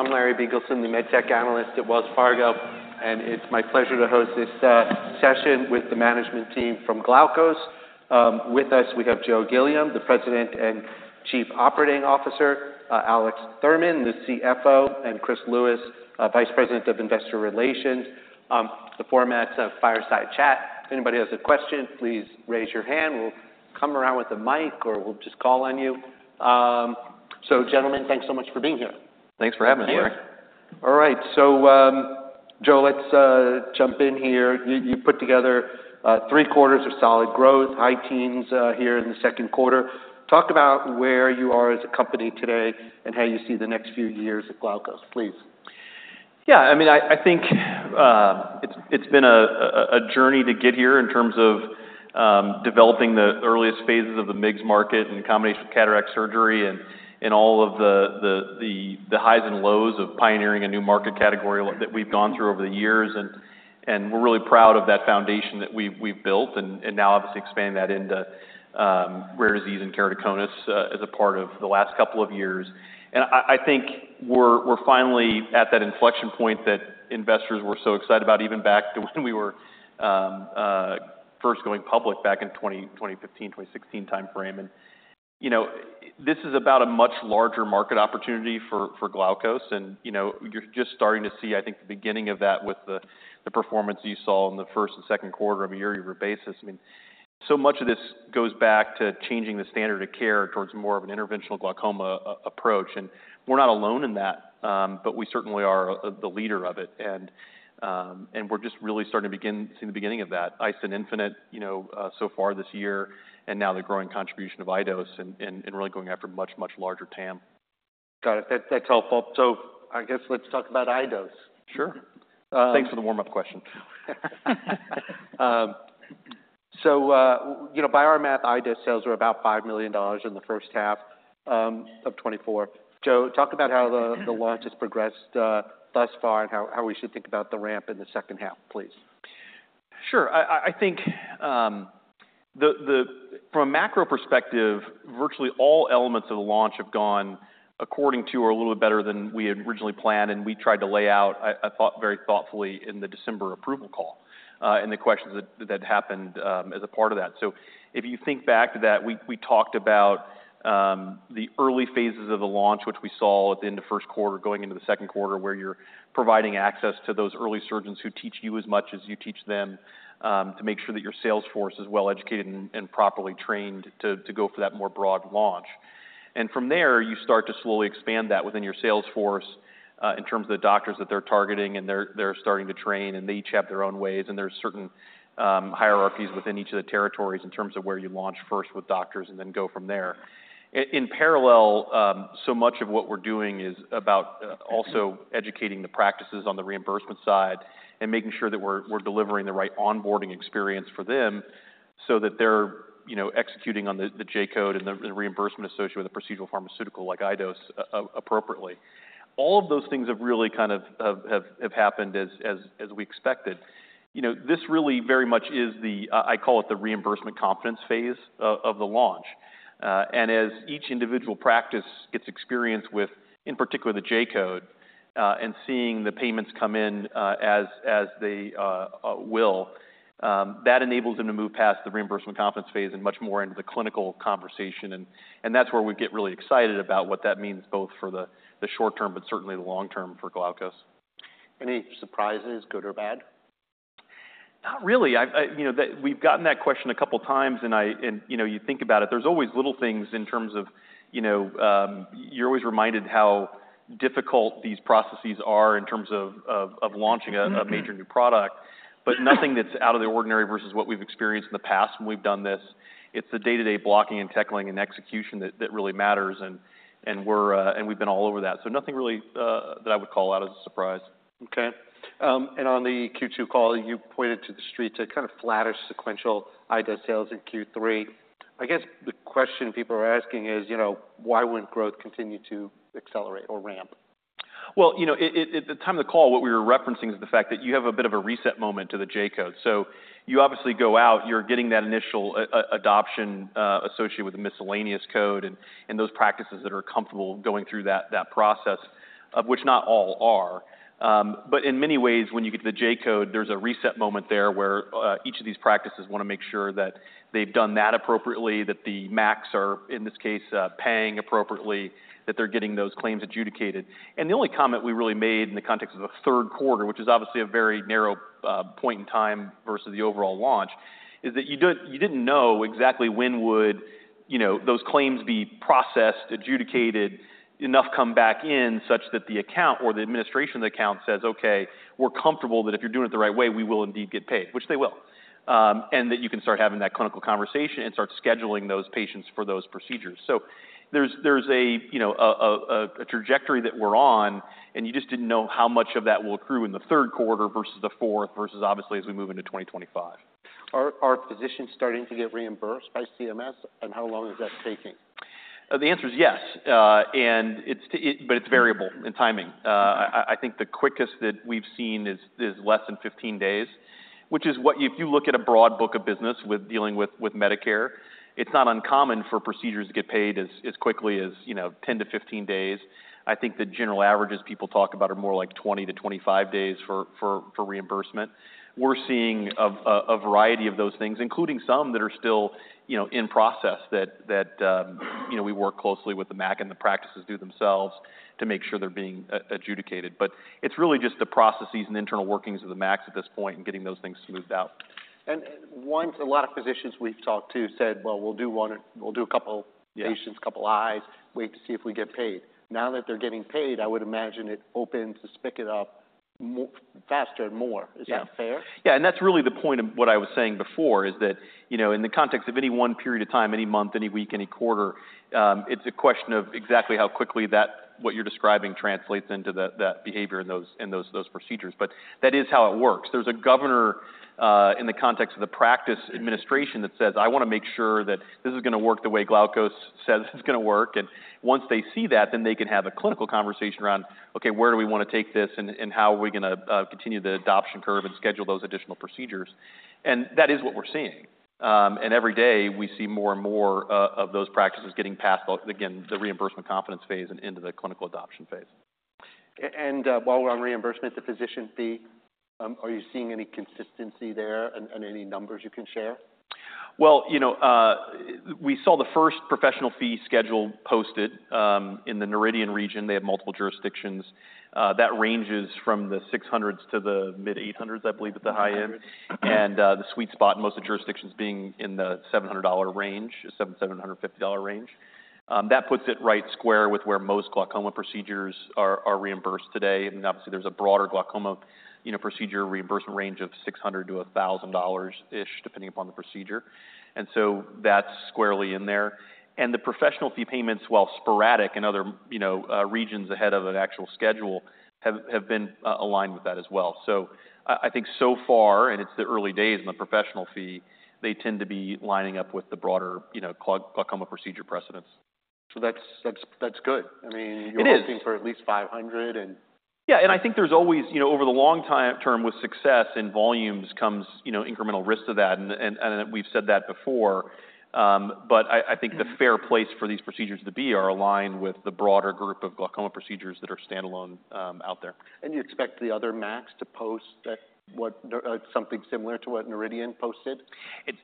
I'm Larry Biegelsen, the med tech analyst at Wells Fargo, and it's my pleasure to host this session with the management team from Glaukos. With us, we have Joe Gilliam, the President and Chief Operating Officer, Alex Thurman, the CFO, and Chris Lewis, Vice President of Investor Relations. The format's a fireside chat. If anybody has a question, please raise your hand. We'll come around with the mic, or we'll just call on you. So gentlemen, thanks so much for being here. Thanks for having us, Larry. All right. So, Joe, let's jump in here. You put together three quarters of solid growth, high teens here in the second quarter. Talk about where you are as a company today and how you see the next few years at Glaukos, please. Yeah, I mean, I think it's been a journey to get here in terms of developing the earliest phases of the MIGS market and combination cataract surgery and all of the highs and lows of pioneering a new market category that we've gone through over the years. And we're really proud of that foundation that we've built and now obviously expanding that into rare disease and keratoconus as a part of the last couple of years. And I think we're finally at that inflection point that investors were so excited about, even back to when we were first going public back in 2015, 2016 timeframe. You know, this is about a much larger market opportunity for Glaukos, and you know, you're just starting to see, I think, the beginning of that with the performance you saw in the first and second quarter on a year-over-year basis. I mean, so much of this goes back to changing the standard of care towards more of an interventional glaucoma approach. And we're not alone in that, but we certainly are the leader of it. And we're just really starting to see the beginning of that, iStent infinite, you know, so far this year, and now the growing contribution of iDose and really going after much larger TAM. Got it. That, that's helpful. So I guess let's talk about iDose. Sure. Um Thanks for the warm-up question. So, you know, by our math, iDose sales were about $5 million in the first half of 2024. Joe, talk about how the launch has progressed thus far and how we should think about the ramp in the second half, please. Sure. I think from a macro perspective, virtually all elements of the launch have gone according to, or a little bit better than we had originally planned, and we tried to lay out, I thought, very thoughtfully in the December approval call, and the questions that happened as a part of that. So if you think back to that, we talked about the early phases of the launch, which we saw at the end of first quarter, going into the second quarter, where you're providing access to those early surgeons who teach you as much as you teach them, to make sure that your sales force is well-educated and properly trained to go for that more broad launch. And from there, you start to slowly expand that within your sales force in terms of the doctors that they're targeting, and they're starting to train, and they each have their own ways, and there's certain hierarchies within each of the territories in terms of where you launch first with doctors and then go from there. In parallel, so much of what we're doing is about also educating the practices on the reimbursement side and making sure that we're delivering the right onboarding experience for them so that they're, you know, executing on the J-code and the reimbursement associated with the procedural pharmaceutical like iDose appropriately. All of those things have really kind of have happened as we expected. You know, this really very much is the I call it the reimbursement confidence phase of the launch. and as each individual practice gets experience with, in particular, the J-code, and seeing the payments come in, as they will, that enables them to move past the reimbursement confidence phase and much more into the clinical conversation. And that's where we get really excited about what that means, both for the short term, but certainly the long term for Glaukos. Any surprises, good or bad? Not really. I, you know, we've gotten that question a couple times, and, you know, you think about it. There's always little things in terms of, you know, you're always reminded how difficult these processes are in terms of launching a major new product, but nothing that's out of the ordinary versus what we've experienced in the past when we've done this. It's the day-to-day blocking and tackling and execution that really matters, and we've been all over that. So nothing really that I would call out as a surprise. Okay. And on the Q2 call, you pointed to the street to kind of flatter sequential iDose sales in Q3. I guess the question people are asking is, you know, why wouldn't growth continue to accelerate or ramp? Well, you know, at the time of the call, what we were referencing is the fact that you have a bit of a reset moment to the J-code. So you obviously go out, you're getting that initial adoption associated with the miscellaneous code and those practices that are comfortable going through that process, of which not all are. But in many ways, when you get to the J-code, there's a reset moment there, where each of these practices wanna make sure that they've done that appropriately, that the MACs are, in this case, paying appropriately, that they're getting those claims adjudicated. The only comment we really made in the context of the third quarter, which is obviously a very narrow point in time versus the overall launch, is that you didn't know exactly when would, you know, those claims be processed, adjudicated, enough come back in, such that the account or the administration of the account says, "Okay, we're comfortable that if you're doing it the right way, we will indeed get paid," which they will. And that you can start having that clinical conversation and start scheduling those patients for those procedures. So there's a, you know, trajectory that we're on, and you just didn't know how much of that will accrue in the third quarter versus the fourth, versus obviously, as we move into 2025. Are physicians starting to get reimbursed by CMS, and how long is that taking? The answer is yes, and it's, but it's variable in timing. I think the quickest that we've seen is less than 15 days, which is, what if you look at a broad book of business with dealing with Medicare, it's not uncommon for procedures to get paid as quickly as, you know, 10 to 15 days. I think the general averages people talk about are more like 20 to 25 days for reimbursement. We're seeing a variety of those things, including some that are still, you know, in process that you know we work closely with the MAC and the practices do themselves to make sure they're being adjudicated. But it's really just the processes and internal workings of the MACs at this point and getting those things smoothed out. Once a lot of physicians we've talked to said, "Well, we'll do one, we'll do a couple Yeah patients, a couple eyes, wait to see if we get paid." Now that they're getting paid, I would imagine it opens to pick it up faster and more. Yeah. Is that fair? Yeah, and that's really the point of what I was saying before, is that, you know, in the context of any one period of time, any month, any week, any quarter, it's a question of exactly how quickly that, what you're describing translates into the, that behavior in those procedures. But that is how it works. There's a governor in the context of the practice administration that says, "I wanna make sure that this is gonna work the way Glaukos says it's gonna work." And once they see that, then they can have a clinical conversation around, "Okay, where do we wanna take this, and how are we gonna continue the adoption curve and schedule those additional procedures?" And that is what we're seeing. Every day, we see more and more of those practices getting past again the reimbursement confidence phase and into the clinical adoption phase. While we're on reimbursement, the physician fee, are you seeing any consistency there and any numbers you can share? You know, we saw the first professional fee schedule posted in the Noridian region. They have multiple jurisdictions. That ranges from the six hundreds to the mid eight hundreds, I believe, at the high end. Hundred. And, the sweet spot, most of the jurisdictions being in the $700 range, $750 range. That puts it right square with where most glaucoma procedures are reimbursed today. And obviously, there's a broader glaucoma, you know, procedure reimbursement range of $600 to $1,000-ish, depending upon the procedure. And so that's squarely in there. And the professional fee payments, while sporadic in other, you know, regions ahead of an actual schedule, have been aligned with that as well. So I think so far, and it's the early days in the professional fee, they tend to be lining up with the broader, you know, glaucoma procedure precedents. So that's good. I mean It is you're asking for at least five hundred and Yeah, and I think there's always, you know, over the long-term with success and volumes comes, you know, incremental risk to that, and we've said that before. But I think the fair place for these procedures to be are aligned with the broader group of glaucoma procedures that are standalone, out there. You expect the other MACs to post something similar to what Noridian posted?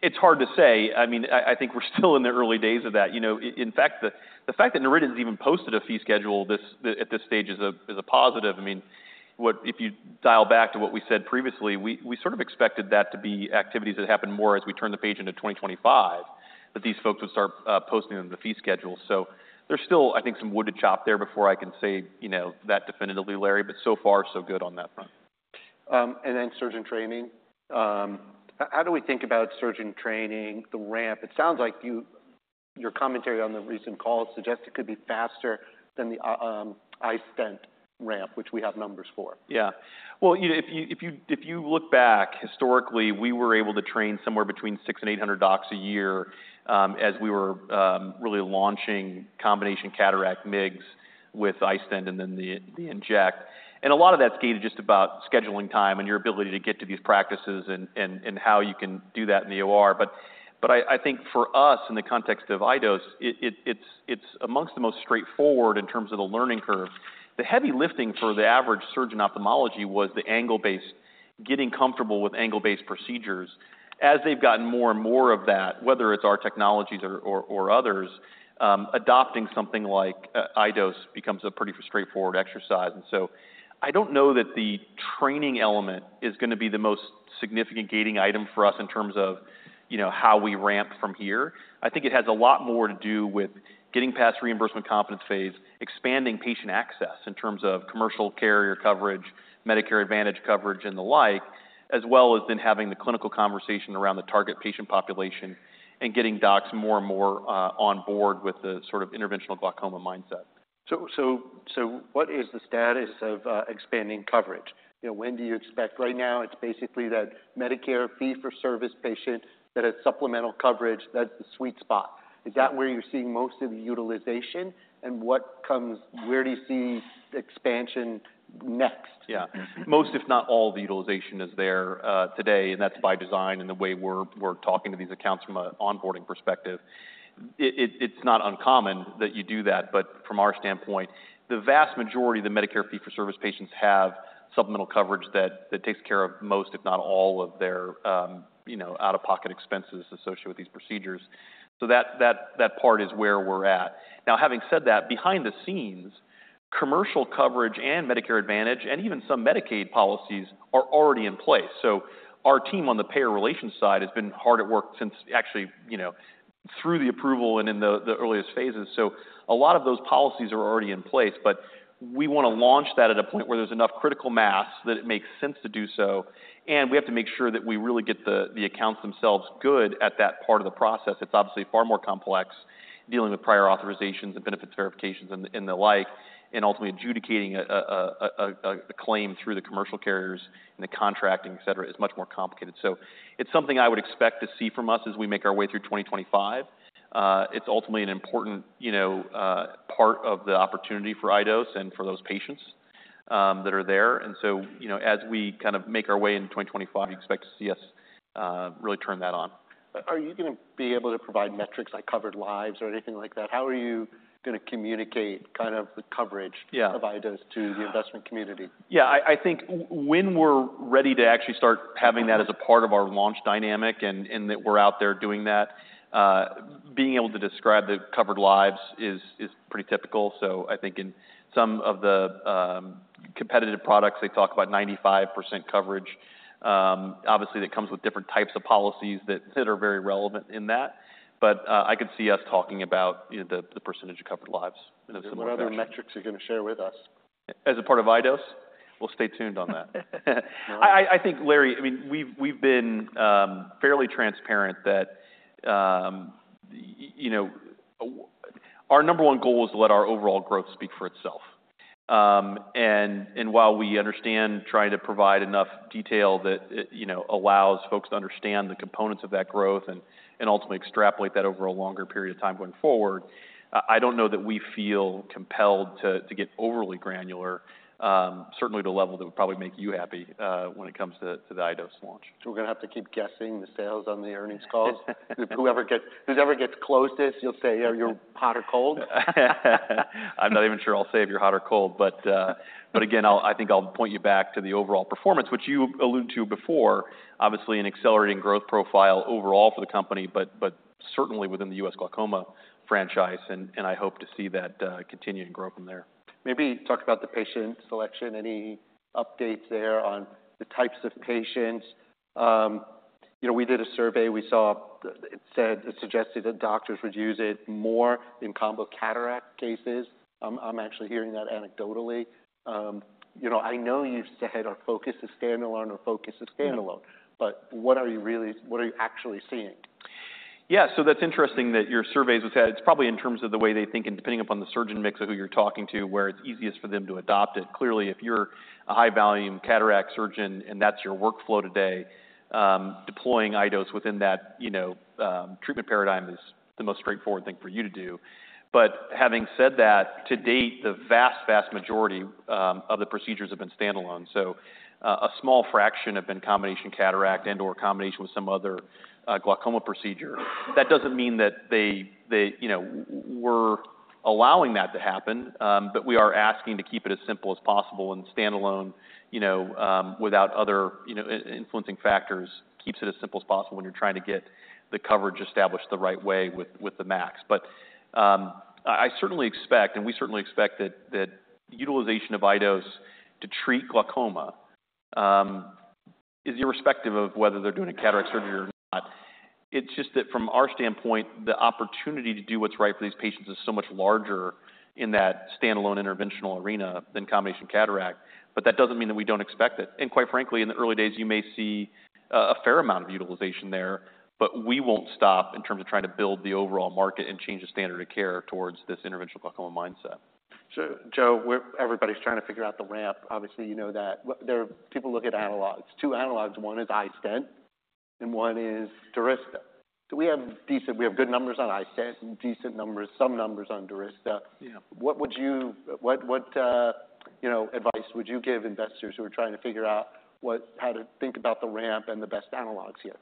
It's hard to say. I mean, I think we're still in the early days of that. You know, in fact, the fact that Noridian has even posted a fee schedule at this stage is a positive. I mean, what if you dial back to what we said previously, we sort of expected that to be activities that happened more as we turn the page into 2025, that these folks would start posting the fee schedule. So there's still, I think, some wood to chop there before I can say, you know, that definitively, Larry, but so far, so good on that front. And then surgeon training. How do we think about surgeon training, the ramp? It sounds like you, your commentary on the recent call suggests it could be faster than the iStent ramp, which we have numbers for. Yeah. Well, you know, if you look back historically, we were able to train somewhere between six and eight hundred docs a year, as we were really launching combination cataract MIGS with iStent and then the inject. And a lot of that's gated just about scheduling time and your ability to get to these practices and how you can do that in the OR. But I think for us, in the context of iDose, it's amongst the most straightforward in terms of the learning curve. The heavy lifting for the average surgeon ophthalmology was the angle-based, getting comfortable with angle-based procedures. As they've gotten more and more of that, whether it's our technologies or others, adopting something like iDose becomes a pretty straightforward exercise. And so I don't know that the training element is gonna be the most significant gating item for us in terms of, you know, how we ramp from here. I think it has a lot more to do with getting past reimbursement confidence phase, expanding patient access in terms of commercial carrier coverage, Medicare Advantage coverage, and the like, as well as then having the clinical conversation around the target patient population and getting docs more and more on board with the sort of interventional glaucoma mindset. So what is the status of expanding coverage? You know, when do you expect? Right now, it's basically that Medicare fee-for-service patient that has supplemental coverage, that's the sweet spot. Is that where you're seeing most of the utilization? And where do you see expansion next? Yeah. Most, if not all, the utilization is there today, and that's by design and the way we're talking to these accounts from an onboarding perspective. It's not uncommon that you do that, but from our standpoint, the vast majority of the Medicare fee-for-service patients have supplemental coverage that takes care of most, if not all of their, you know, out-of-pocket expenses associated with these procedures. So that part is where we're at. Now, having said that, behind the scenes, commercial coverage and Medicare Advantage, and even some Medicaid policies are already in place. So our team on the payer relations side has been hard at work since actually, you know, through the approval and in the earliest phases. So a lot of those policies are already in place, but we wanna launch that at a point where there's enough critical mass that it makes sense to do so, and we have to make sure that we really get the accounts themselves good at that part of the process. It's obviously far more complex dealing with prior authorizations and benefit verifications and the like, and ultimately adjudicating a claim through the commercial carriers and the contracting, et cetera, is much more complicated. So it's something I would expect to see from us as we make our way through 2025. It's ultimately an important, you know, part of the opportunity for iDose and for those patients that are there. You know, as we kind of make our way into 2025, you expect to see us really turn that on. Are you gonna be able to provide metrics like covered lives or anything like that? How are you gonna communicate kind of the coverage Yeah of iDose to the investment community? Yeah, I think when we're ready to actually start having that as a part of our launch dynamic, and that we're out there doing that, being able to describe the covered lives is pretty typical. So I think in some of the competitive products, they talk about 95% coverage. Obviously, that comes with different types of policies that are very relevant in that. But I could see us talking about, you know, the percentage of covered lives in a similar fashion. What other metrics are you gonna share with us? As a part of iDose? Well, stay tuned on that. I think, Larry, I mean, we've been fairly transparent that, you know, our number one goal is to let our overall growth speak for itself. And while we understand trying to provide enough detail that, you know, allows folks to understand the components of that growth and ultimately extrapolate that over a longer period of time going forward, I don't know that we feel compelled to get overly granular, certainly at a level that would probably make you happy, when it comes to the iDose launch. So we're gonna have to keep guessing the sales on the earnings calls? Whoever gets closest, you'll say, "You're hot or cold? I'm not even sure I'll say if you're hot or cold, but, but again, I think I'll point you back to the overall performance, which you alluded to before. Obviously, an accelerating growth profile overall for the company, but certainly within the U.S. glaucoma franchise, and I hope to see that continue to grow from there. Maybe talk about the patient selection. Any updates there on the types of patients? You know, we did a survey, we saw it said it suggested that doctors would use it more in combo cataract cases. I'm actually hearing that anecdotally. You know, I know you've said our focus is standalone, our focus is standalone, but what are you really what are you actually seeing? Yeah, so that's interesting that your surveys have said. It's probably in terms of the way they think, and depending upon the surgeon mix of who you're talking to, where it's easiest for them to adopt it. Clearly, if you're a high-volume cataract surgeon, and that's your workflow today, deploying iDose within that, you know, treatment paradigm is the most straightforward thing for you to do. But having said that, to date, the vast, vast majority of the procedures have been standalone. So a small fraction have been combination cataract and/or combination with some other glaucoma procedure. That doesn't mean that they, you know, we're allowing that to happen, but we are asking to keep it as simple as possible and standalone, you know, without other, you know, influencing factors, keeps it as simple as possible when you're trying to get the coverage established the right way with the MAC. But, I certainly expect, and we certainly expect that utilization of iDose to treat glaucoma is irrespective of whether they're doing a cataract surgery or not. It's just that from our standpoint, the opportunity to do what's right for these patients is so much larger in that standalone interventional arena than combination cataract, but that doesn't mean that we don't expect it. Quite frankly, in the early days, you may see a fair amount of utilization there, but we won't stop in terms of trying to build the overall market and change the standard of care towards this interventional glaucoma mindset. Joe, everybody's trying to figure out the ramp. Obviously, you know that. People look at analogs. Two analogs, one is iStent, and one is Durysta. We have good numbers on iStent and decent numbers, some numbers on Durysta. Yeah. What advice would you give investors who are trying to figure out how to think about the ramp and the best analogs here,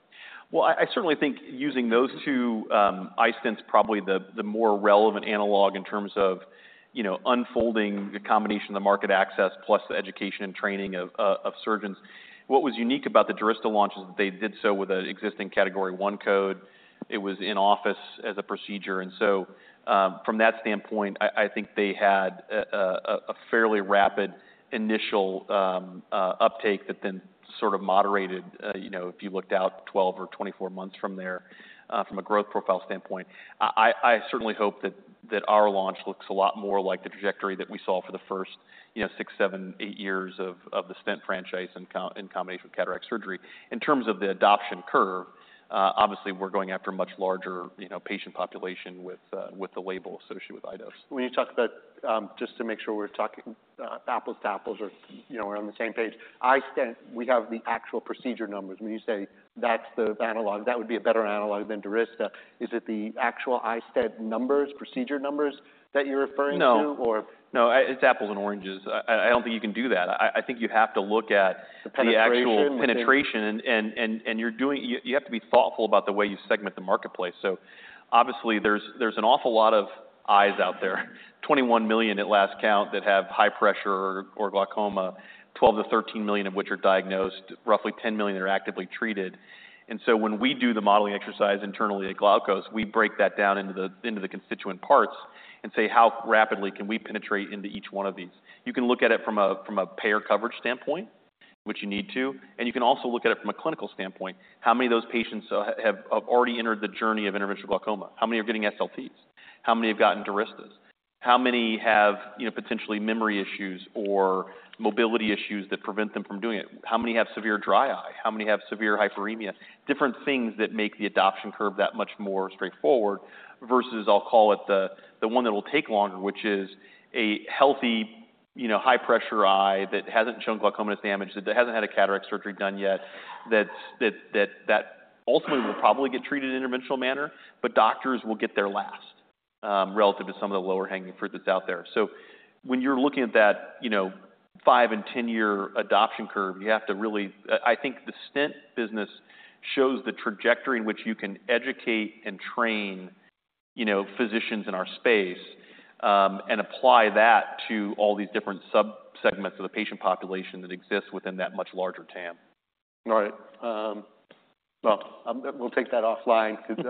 you know? I certainly think using those two iStent's probably the more relevant analog in terms of, you know, unfolding the combination of the market access, plus the education and training of surgeons. What was unique about the Durysta launch is they did so with an existing Category I code. It was in-office as a procedure, and so, from that standpoint, I think they had a fairly rapid initial uptake that then sort of moderated, you know, if you looked out twelve or twenty-four months from there, from a growth profile standpoint. I certainly hope that our launch looks a lot more like the trajectory that we saw for the first, you know, six, seven, eight years of the stent franchise in combination with cataract surgery. In terms of the adoption curve, obviously, we're going after a much larger, you know, patient population with the label associated with iDose. When you talk about just to make sure we're talking apples to apples or, you know, we're on the same page. iStent, we have the actual procedure numbers. When you say that's the analog, that would be a better analog than Durysta, is it the actual iStent numbers, procedure numbers, that you're referring to? No. Or No, it's apples and oranges. I don't think you can do that. I think you have to look at The penetration the actual penetration and you have to be thoughtful about the way you segment the marketplace. So obviously, there's an awful lot of eyes out there. 21 million at last count that have high pressure or glaucoma, 12-13 million of which are diagnosed, roughly 10 million are actively treated. And so when we do the modeling exercise internally at Glaukos, we break that down into the constituent parts and say, how rapidly can we penetrate into each one of these? You can look at it from a payer coverage standpoint, which you need to, and you can also look at it from a clinical standpoint. How many of those patients have already entered the journey of interventional glaucoma? How many are getting SLTs? How many have gotten Durystas? How many have, you know, potentially memory issues or mobility issues that prevent them from doing it? How many have severe dry eye? How many have severe hyperemia? Different things that make the adoption curve that much more straightforward, versus, I'll call it, the one that will take longer, which is a healthy, you know, high pressure eye that hasn't shown glaucomatous damage, that hasn't had a cataract surgery done yet, that ultimately will probably get treated in an interventional manner, but doctors will get there last, relative to some of the lower-hanging fruit that's out there. So when you're looking at that, you know, five and 10-year adoption curve, you have to really. I think the stent business shows the trajectory in which you can educate and train, you know, physicians in our space, and apply that to all these different subsegments of the patient population that exists within that much larger TAM. All right. Well, we'll take that offline because,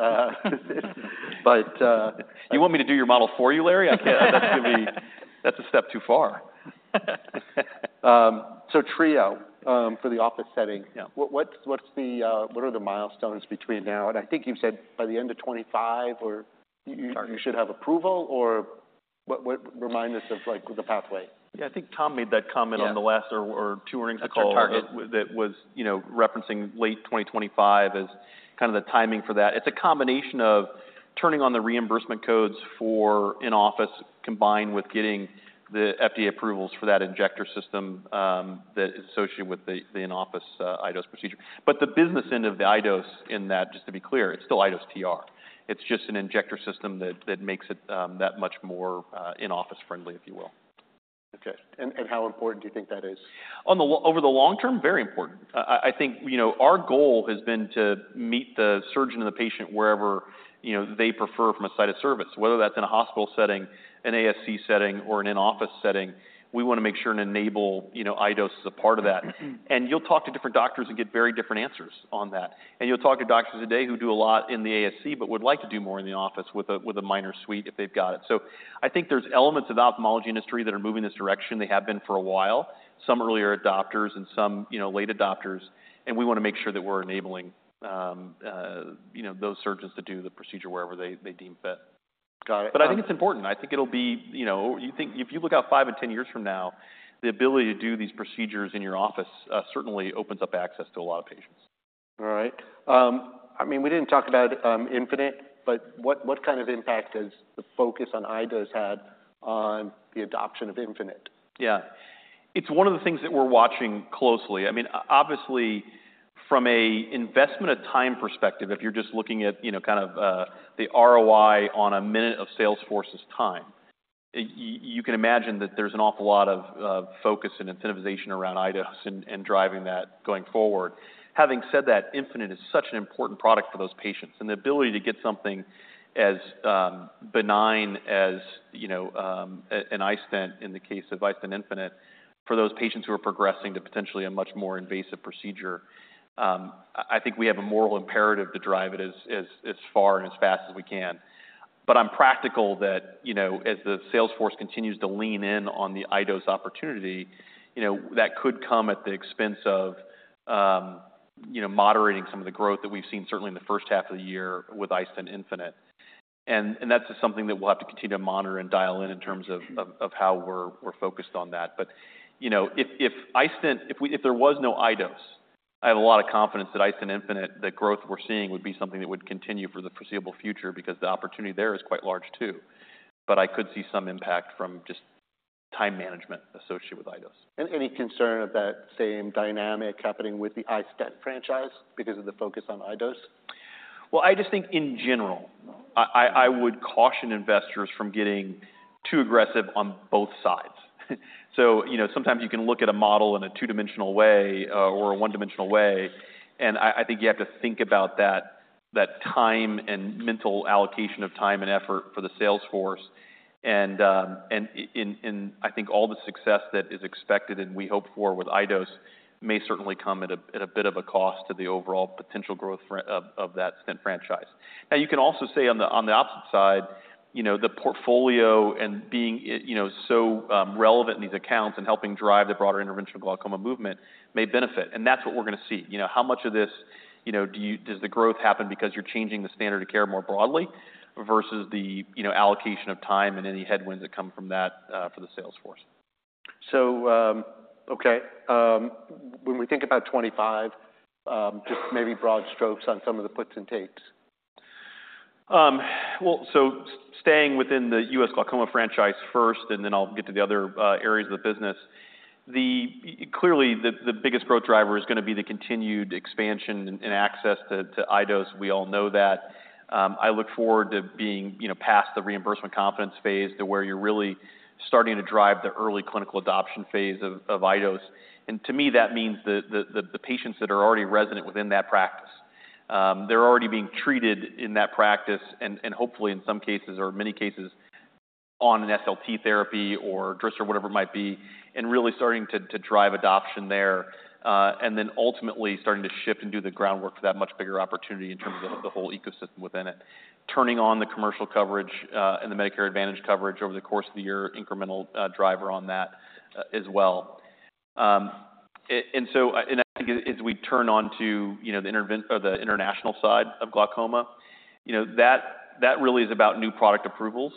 You want me to do your model for you, Larry? I can't. That's a step too far. iDose TR for the office setting. Yeah. What are the milestones between now? And I think you've said by the end of 2025 or Sorry. You should have approval, or what? Remind us of, like, the pathway. Yeah, I think Tom made that comment- Yeah - on the last quarter or two earnings call. That's our target. That was, you know, referencing late 2025 as kind of the timing for that. It's a combination of turning on the reimbursement codes for in-office, combined with getting the FDA approvals for that injector system that is associated with the in-office iDose procedure. But the business end of the iDose in that, just to be clear, it's still iDose TR. It's just an injector system that makes it that much more in-office friendly, if you will. Okay. And how important do you think that is? Over the long term? Very important. I think, you know, our goal has been to meet the surgeon and the patient wherever, you know, they prefer from a site of service, whether that's in a hospital setting, an ASC setting, or an in-office setting. We want to make sure and enable, you know, iDose as a part of that. Mm-hmm. You'll talk to different doctors and get very different answers on that. You'll talk to doctors today who do a lot in the ASC, but would like to do more in the office with a minor suite, if they've got it. I think there's elements of the ophthalmology industry that are moving this direction. They have been for a while. Some earlier adopters and some, you know, late adopters, and we want to make sure that we're enabling, you know, those surgeons to do the procedure wherever they deem fit. Got it. But I think it's important. I think it'll be. You know, if you look out five and ten years from now, the ability to do these procedures in your office certainly opens up access to a lot of patients. All right. I mean, we didn't talk about Infinite, but what kind of impact has the focus on iDose had on the adoption of Infinite? Yeah. It's one of the things that we're watching closely. I mean, obviously, from a investment of time perspective, if you're just looking at, you know, kind of, the ROI on a minute of sales force's time, you can imagine that there's an awful lot of focus and incentivization around iDose and driving that going forward. Having said that, Infinite is such an important product for those patients, and the ability to get something as benign as, you know, an iStent, in the case of iStent infinite, for those patients who are progressing to potentially a much more invasive procedure. I think we have a moral imperative to drive it as far and as fast as we can. But I'm practical that, you know, as the sales force continues to lean in on the iDose opportunity, you know, that could come at the expense of, you know, moderating some of the growth that we've seen, certainly in the first half of the year with iStent infinite. And that's just something that we'll have to continue to monitor and dial in, in terms of how we're focused on that. But, you know, if there was no iDose, I have a lot of confidence that iStent infinite, the growth we're seeing, would be something that would continue for the foreseeable future because the opportunity there is quite large, too. But I could see some impact from just time management associated with iDose. And any concern of that same dynamic happening with the iStent franchise because of the focus on iDose? I just think in general, I would caution investors from getting too aggressive on both sides. So, you know, sometimes you can look at a model in a two-dimensional way, or a one-dimensional way, and I think you have to think about that time and mental allocation of time and effort for the sales force. And I think all the success that is expected and we hope for with iDose may certainly come at a bit of a cost to the overall potential growth of that stent franchise. Now, you can also say on the opposite side, you know, the portfolio and being, you know, so relevant in these accounts and helping drive the broader interventional glaucoma movement may benefit, and that's what we're gonna see. You know, how much of this... You know, does the growth happen because you're changing the standard of care more broadly versus the, you know, allocation of time and any headwinds that come from that for the sales force? Okay. When we think about twenty-five, just maybe broad strokes on some of the puts and takes. Staying within the U.S. glaucoma franchise first, and then I'll get to the other areas of the business. Clearly, the biggest growth driver is gonna be the continued expansion and access to iDose. We all know that. I look forward to being, you know, past the reimbursement confidence phase to where you're really starting to drive the early clinical adoption phase of iDose to me, that means the patients that are already resident within that practice. They're already being treated in that practice and, hopefully, in some cases or many cases, on an SLT therapy or drops or whatever it might be, and really starting to drive adoption there, and then ultimately starting to shift and do the groundwork for that much bigger opportunity in terms of the whole ecosystem within it. Turning on the commercial coverage, and the Medicare Advantage coverage over the course of the year, incremental driver on that, as well. And so, and I think as we turn on to, you know, the international side of glaucoma, you know, that really is about new product approvals.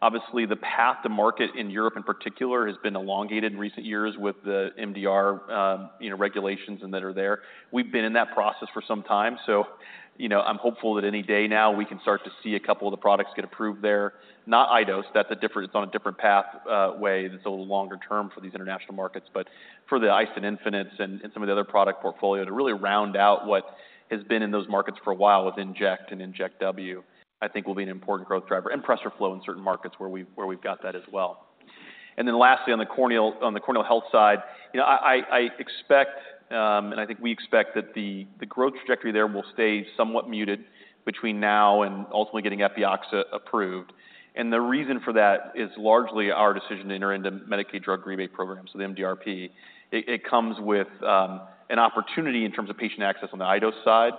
Obviously, the path to market in Europe, in particular, has been elongated in recent years with the MDR, you know, regulations and that are there. We've been in that process for some time, so, you know, I'm hopeful that any day now, we can start to see a couple of the products get approved there. Not iDose. That's different. It's on a different path, way, that's a little longer term for these international markets. But for the iStent infinite and some of the other product portfolio to really round out what has been in those markets for a while with inject and inject W, I think will be an important growth driver, and PRESERFLO in certain markets where we've got that as well. And then lastly, on the corneal health side, you know, I expect and I think we expect that the growth trajectory there will stay somewhat muted between now and ultimately getting Epioxa approved. And the reason for that is largely our decision to enter into Medicaid Drug Rebate Program, so the MDRP. It comes with an opportunity in terms of patient access on the iDose side,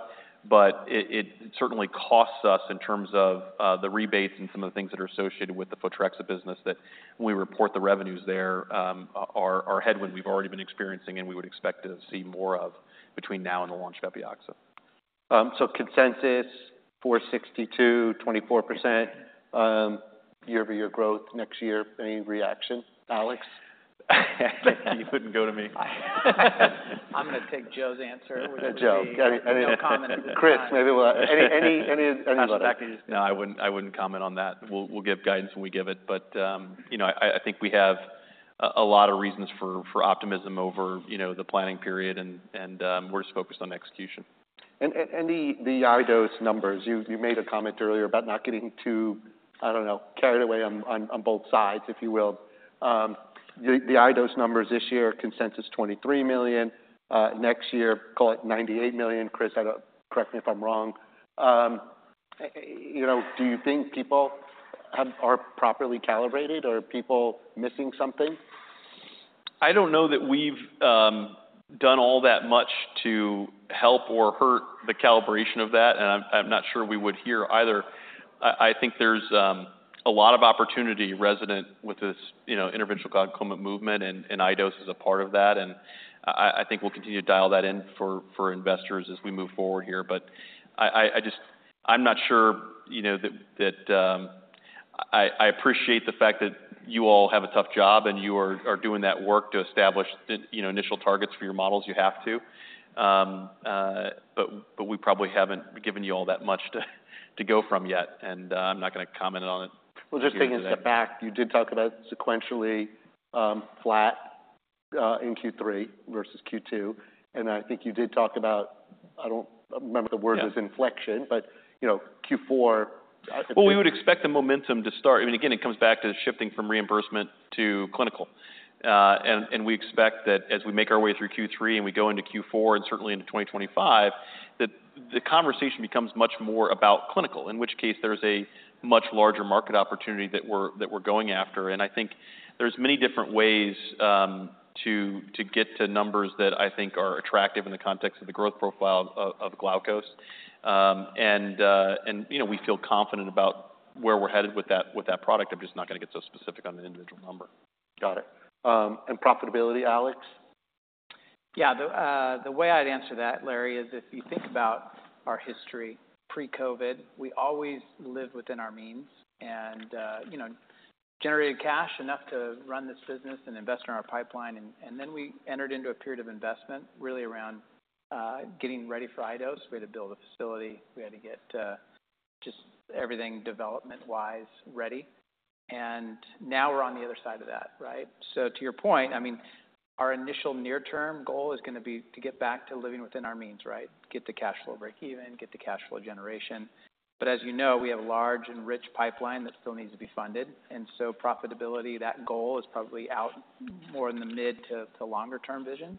but it certainly costs us in terms of the rebates and some of the things that are associated with the Photrexa business that when we report the revenues there, our headwind we've already been experiencing, and we would expect to see more of between now and the launch of Epioxa. So consensus 462, 24% year-over-year growth next year. Any reaction, Alex? You couldn't go to me. I'm going to take Joe's answer, which is Joe. No comment at this time. Chris, maybe any No, I wouldn't comment on that. We'll give guidance when we give it, but, you know, I think we have a lot of reasons for optimism over, you know, the planning period, and we're just focused on execution. The iDose numbers, you made a comment earlier about not getting too, I don't know, carried away on both sides, if you will. The iDose numbers this year are consensus $23 million. Next year, call it $98 million. Chris, I don't. Correct me if I'm wrong. You know, do you think people are properly calibrated, or are people missing something? I don't know that we've done all that much to help or hurt the calibration of that, and I'm not sure we would hear either. I think there's a lot of opportunity resident with this, you know, individual glaucoma movement, and iDose is a part of that, and I think we'll continue to dial that in for investors as we move forward here. But I just-- I'm not sure, you know, that I appreciate the fact that you all have a tough job, and you are doing that work to establish the, you know, initial targets for your models. You have to. But we probably haven't given you all that much to go from yet, and I'm not going to comment on it. Just taking a step back, you did talk about sequentially flat in Q3 versus Q2, and I think you did talk about. I don't remember the word. Yeah as inflection, but, you know, Q4- Well, we would expect the momentum to start. I mean, again, it comes back to shifting from reimbursement to clinical. And we expect that as we make our way through Q3, and we go into Q4, and certainly into 2025, that the conversation becomes much more about clinical, in which case there's a much larger market opportunity that we're going after. And I think there's many different ways to get to numbers that I think are attractive in the context of the growth profile of Glaukos. And you know, we feel confident about where we're headed with that product. I'm just not going to get so specific on an individual number. Got it, and profitability, Alex? Yeah, the way I'd answer that, Larry, is if you think about our history, pre-COVID, we always lived within our means and you know, generated cash enough to run this business and invest in our pipeline. And then we entered into a period of investment, really around getting ready for iDose. We had to build a facility. We had to get just everything development-wise ready, and now we're on the other side of that, right? So to your point, I mean, our initial near-term goal is going to be to get back to living within our means, right? Get to cash flow breakeven, get to cash flow generation. But as you know, we have a large and rich pipeline that still needs to be funded, and so profitability, that goal, is probably out more in the mid- to longer-term vision,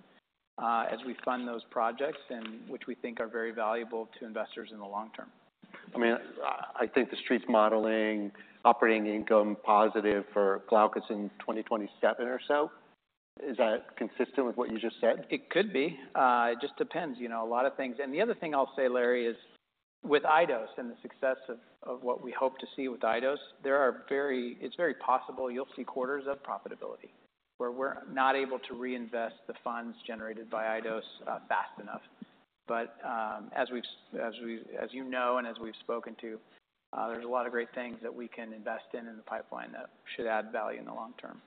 as we fund those projects, and which we think are very valuable to investors in the long term. I mean, I, I think the Street's modeling operating income positive for Glaukos in 2027 or so. Is that consistent with what you just said? It could be. It just depends, you know, a lot of things, and the other thing I'll say, Larry, is with iDose and the success of what we hope to see with iDose, it's very possible you'll see quarters of profitability, where we're not able to reinvest the funds generated by iDose fast enough, but as we've spoken to, as you know, there's a lot of great things that we can invest in the pipeline that should add value in the long term.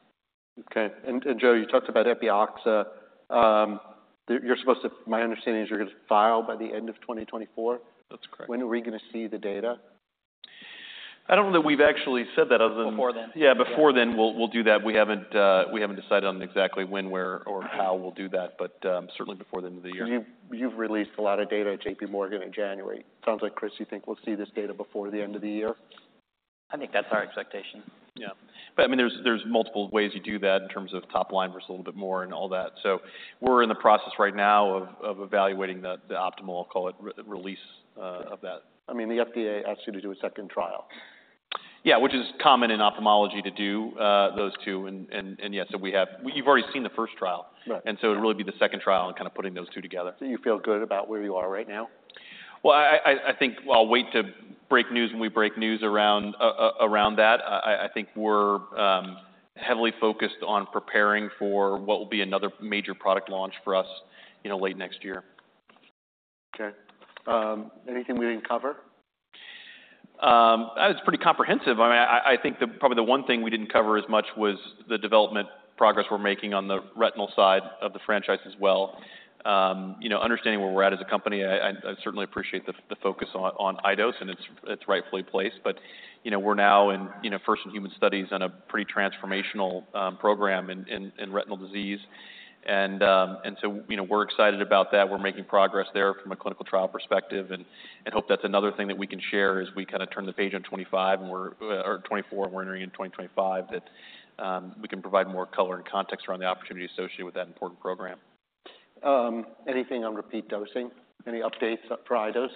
Okay. And, Joe, you talked about Epioxa. You're supposed to, my understanding is you're going to file by the end of 2024? That's correct. When are we going to see the data? I don't know that we've actually said that other than Before then. Yeah, before then, we'll do that. We haven't decided on exactly when, where, or how we'll do that, but certainly before the end of the year. You've released a lot of data at JPMorgan in January. Sounds like, Chris, you think we'll see this data before the end of the year? I think that's our expectation. Yeah. But I mean, there's multiple ways you do that in terms of top line versus a little bit more and all that. So we're in the process right now of evaluating the optimal, I'll call it, re-release of that. I mean, the FDA asked you to do a second trial. Yeah, which is common in ophthalmology to do, those two. And yes, so we have, you've already seen the first trial. Right. And so it'd really be the second trial and kind of putting those two together. So you feel good about where you are right now? I think I'll wait to break news when we break news around that. I think we're heavily focused on preparing for what will be another major product launch for us, you know, late next year. Okay. Anything we didn't cover? That was pretty comprehensive. I mean, I think that probably the one thing we didn't cover as much was the development progress we're making on the retinal side of the franchise as well. You know, understanding where we're at as a company, I certainly appreciate the focus on iDose, and it's rightfully placed. But you know, we're now in first in human studies on a pretty transformational program in retinal disease. So you know, we're excited about that. We're making progress there from a clinical trial perspective, and hope that's another thing that we can share, as we kinda turn the page on twenty-five and we're or twenty-four, and we're entering in 2025, that we can provide more color and context around the opportunity associated with that important program. Anything on repeat dosing? Any updates for iDose?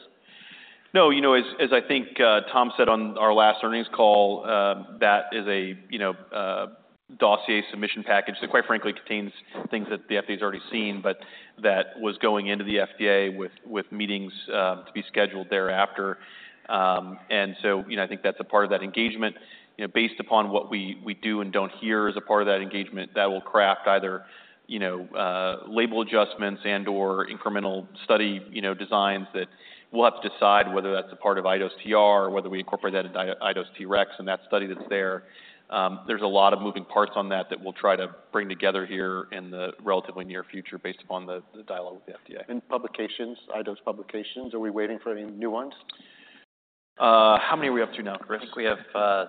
No, you know, as I think Tom said on our last earnings call, that is a, you know, a dossier submission package that, quite frankly, contains things that the FDA's already seen, but that was going into the FDA with meetings to be scheduled thereafter. And so, you know, I think that's a part of that engagement. You know, based upon what we do and don't hear as a part of that engagement, that will craft either, you know, label adjustments and/or incremental study, you know, designs that we'll have to decide whether that's a part of iDose TR or whether we incorporate that into iDose TREX and that study that's there. There's a lot of moving parts on that that we'll try to bring together here in the relatively near future, based upon the dialogue with the FDA. Publications, iDose publications, are we waiting for any new ones? How many are we up to now, Chris? I think we have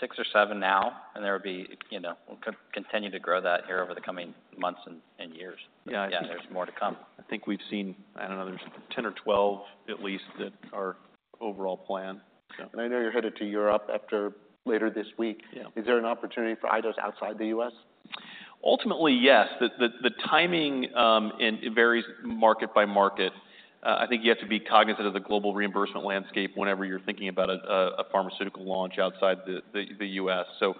six or seven now, and there will be you know, we'll continue to grow that here over the coming months and years. Yeah. I think there's more to come. I think we've seen, I don't know, there's 10 or 12, at least, that are overall plan, so. I know you're headed to Europe after later this week. Yeah. Is there an opportunity for iDose outside the US? Ultimately, yes. The timing and it varies market by market. I think you have to be cognizant of the global reimbursement landscape whenever you're thinking about a pharmaceutical launch outside the U.S. So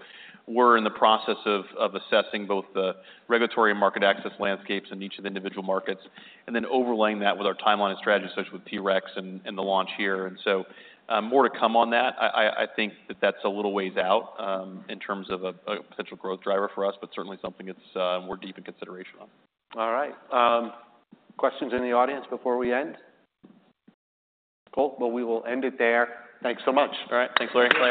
we're in the process of assessing both the regulatory and market access landscapes in each of the individual markets, and then overlaying that with our timeline and strategy, especially with iDose TREX and the launch here. So, more to come on that. I think that's a little ways out in terms of a potential growth driver for us, but certainly something that we're deep in consideration on. All right. Questions in the audience before we end? Cool, well, we will end it there. Thanks so much. All right. Thanks, Larry.